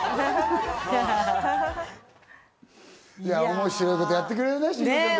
面白いことやってくれるね、慎吾ちゃん。